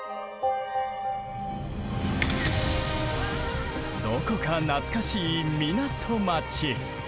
どこか懐かしい港町。